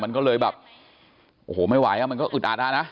มันก็เลยแบบโอ้โหไม่ไหวอ่ะมันก็อึดอัดฮะ